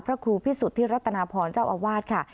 พระครูพิสุทธิรัตนาพรเจ้าอาวาสค่ะ